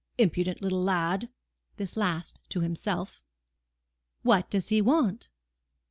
Impudent little lad!" (This last to himself.) "What does he want?"